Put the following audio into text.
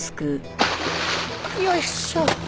よいしょ。